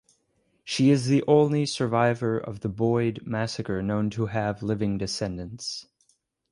She is the only survivor of the "Boyd" massacre known to have living descendants.